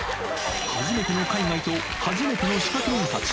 初めての海外と初めての仕掛け人たち。